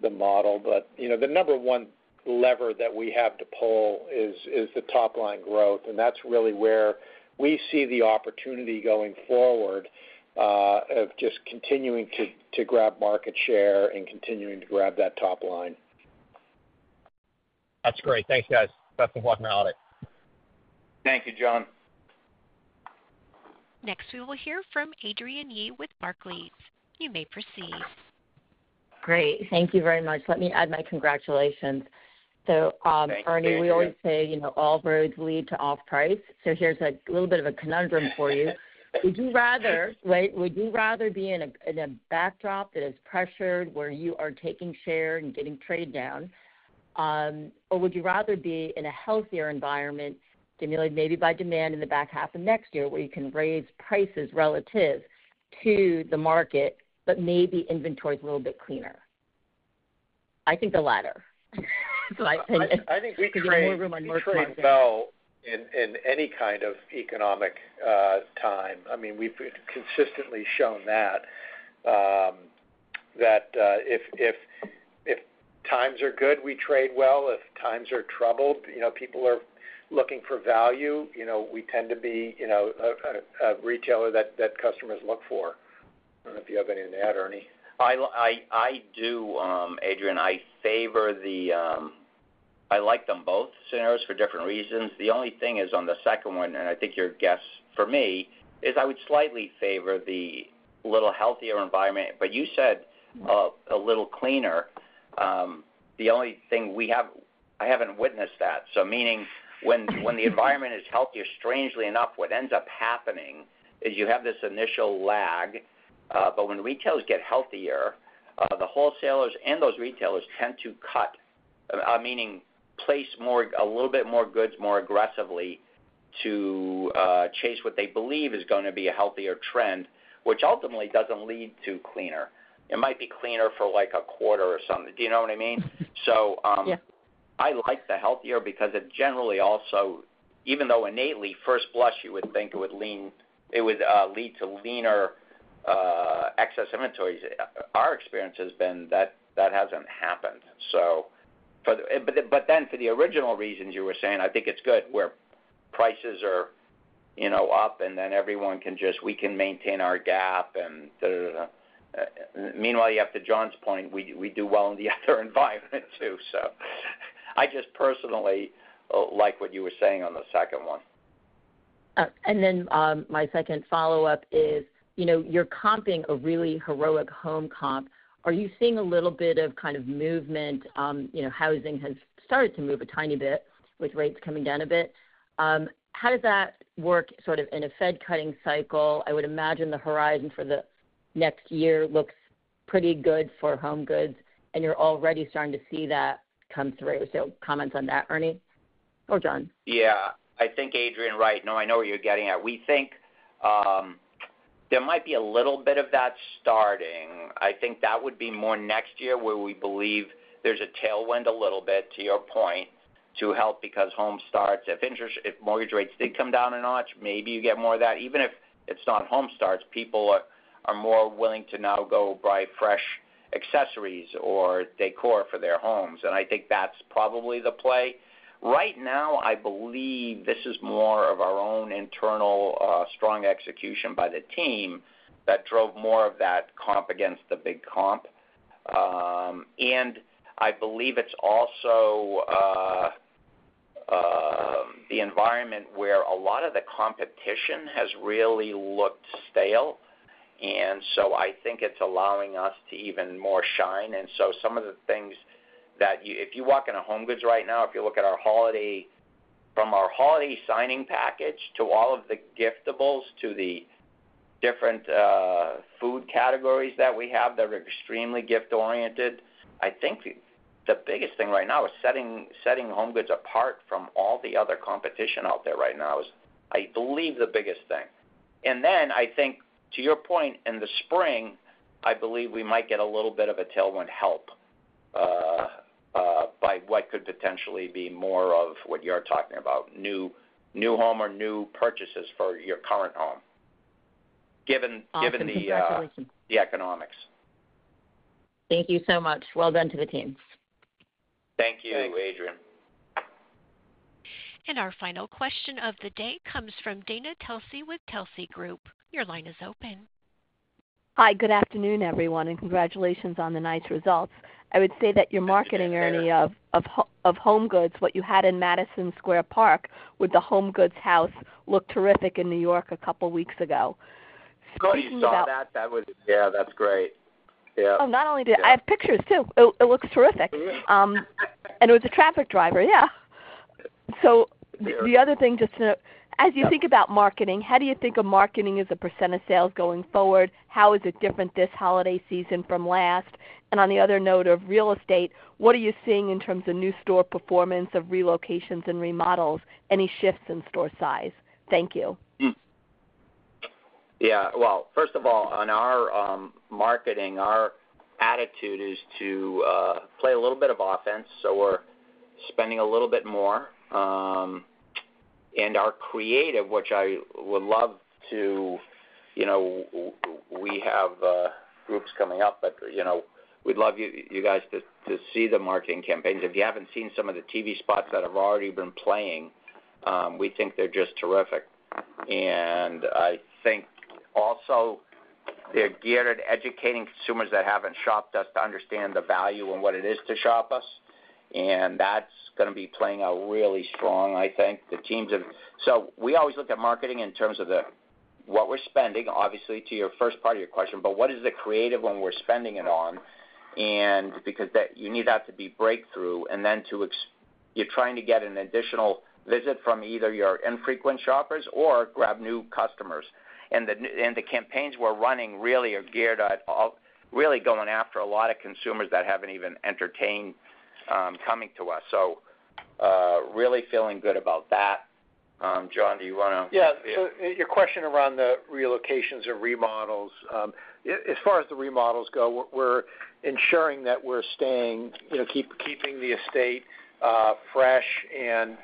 Speaker 2: the model, but the number one lever that we have to pull is the top-line growth, and that's really where we see the opportunity going forward of just continuing to grab market share and continuing to grab that top line.
Speaker 4: That's great. Thanks, guys. Best of luck in the audit.
Speaker 2: Thank you, John.
Speaker 1: Next, we will hear from Adrienne Yih with Barclays. You may proceed.
Speaker 13: Great. Thank you very much. Let me add my congratulations. So Ernie, we always say all roads lead to off-price. So here's a little bit of a conundrum for you. Would you rather be in a backdrop that is pressured where you are taking share and getting trade down? Or would you rather be in a healthier environment, stimulated maybe by demand in the back half of next year where you can raise prices relative to the market, but maybe inventory is a little bit cleaner? I think the latter.
Speaker 4: I think we could get more room on merchandise.
Speaker 2: Trade well in any kind of economic time. I mean, we've consistently shown that. That if times are good, we trade well. If times are troubled, people are looking for value, we tend to be a retailer that customers look for. I don't know if you have anything to add, Ernie. I do, Adrienne. I favor. I like them both scenarios for different reasons. The only thing is on the second one, and I think your guess for me is I would slightly favor the little healthier environment. But you said a little cleaner. The only thing we have I haven't witnessed that. So meaning when the environment is healthier, strangely enough, what ends up happening is you have this initial lag. But when retailers get healthier, the wholesalers and those retailers tend to cut, meaning place a little bit more goods more aggressively to chase what they believe is going to be a healthier trend, which ultimately doesn't lead to cleaner. It might be cleaner for like a quarter or something. Do you know what I mean? So I like the healthier because it generally also, even though innately first blush, you would think it would lead to leaner excess inventories. Our experience has been that that hasn't happened. But then for the original reasons you were saying, I think it's good where prices are up and then everyone can just we can maintain our gap and meanwhile, you have to John's point, we do well in the other environment too. So I just personally like what you were saying on the second one.
Speaker 13: And then my second follow-up is you're comping a really heroic Home comp. Are you seeing a little bit of kind of movement? Housing has started to move a tiny bit with rates coming down a bit. How does that work sort of in a Fed cutting cycle? I would imagine the horizon for the next year looks pretty good for HomeGoods, and you're already starting to see that come through. So comments on that, Ernie? Or John?
Speaker 2: Yeah. I think Adrienne's right. No, I know what you're getting at. We think there might be a little bit of that starting. I think that would be more next year where we believe there's a tailwind a little bit to your point to help because home starts. If mortgage rates did come down a notch, maybe you get more of that. Even if it's not home starts, people are more willing to now go buy fresh accessories or decor for their homes. And I think that's probably the play. Right now, I believe this is more of our own internal strong execution by the team that drove more of that comp against the big comp. And I believe it's also the environment where a lot of the competition has really looked stale. And so I think it's allowing us to even more shine. And so some of the things that if you walk in a HomeGoods right now, if you look at our holiday from our holiday signing package to all of the giftable to the different food categories that we have that are extremely gift-oriented, I think the biggest thing right now is setting HomeGoods apart from all the other competition out there right now is, I believe, the biggest thing. And then I think, to your point, in the spring, I believe we might get a little bit of a tailwind help by what could potentially be more of what you're talking about, new home or new purchases for your current home, given the economics.
Speaker 13: Thank you so much. Well done to the team.
Speaker 2: Thank you, Adrienne.
Speaker 1: Our final question of the day comes from Dana Telsey with Telsey Advisory Group. Your line is open.
Speaker 14: Hi. Good afternoon, everyone. And congratulations on the nice results. I would say that your marketing, Ernie, of HomeGoods, what you had in Madison Square Park with the HomeGoods house looked terrific in New York a couple of weeks ago.
Speaker 2: So you saw that? Yeah. That's great. Yeah.
Speaker 14: Oh, not only did I have pictures too. It looks terrific, and it was a traffic driver. Yeah, so the other thing, just as you think about marketing, how do you think of marketing as a % of sales going forward? How is it different this holiday season from last? and on the other note of real estate, what are you seeing in terms of new store performance of relocations and remodels? Any shifts in store size? Thank you.
Speaker 2: Yeah. Well, first of all, on our marketing, our attitude is to play a little bit of offense. So we're spending a little bit more. And our creative, which I would love to we have groups coming up, but we'd love you guys to see the marketing campaigns. If you haven't seen some of the TV spots that have already been playing, we think they're just terrific. And I think also they're geared at educating consumers that haven't shopped us to understand the value and what it is to shop us. And that's going to be playing out really strong, I think. The teams have so we always look at marketing in terms of what we're spending, obviously, to your first part of your question, but what is the creative when we're spending it on? And because you need that to be breakthrough and then too, you're trying to get an additional visit from either your infrequent shoppers or grab new customers. And the campaigns we're running really are geared at really going after a lot of consumers that haven't even entertained coming to us. So really feeling good about that. John, do you want to?
Speaker 4: Yeah. Your question around the relocations and remodels, as far as the remodels go, we're ensuring that we're keeping the estate fresh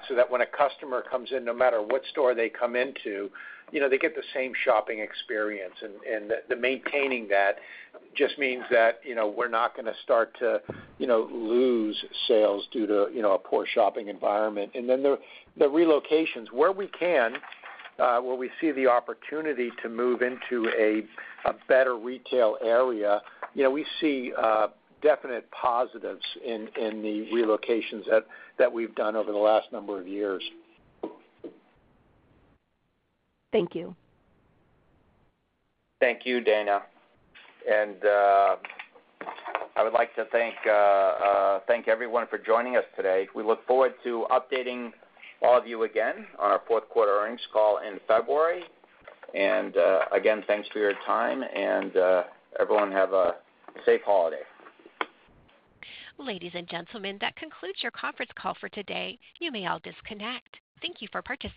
Speaker 4: so that when a customer comes in, no matter what store they come into, they get the same shopping experience, and maintaining that just means that we're not going to start to lose sales due to a poor shopping environment, and then the relocations, where we can, where we see the opportunity to move into a better retail area, we see definite positives in the relocations that we've done over the last number of years.
Speaker 14: Thank you.
Speaker 2: Thank you, Dana. And I would like to thank everyone for joining us today. We look forward to updating all of you again on our Q4 earnings call in February. And again, thanks for your time. And everyone, have a safe holiday.
Speaker 1: Ladies and gentlemen, that concludes your conference call for today. You may all disconnect. Thank you for participating.